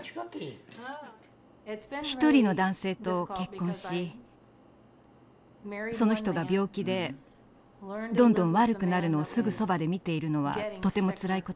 １人の男性と結婚しその人が病気でどんどん悪くなるのをすぐそばで見ているのはとてもつらいことでした。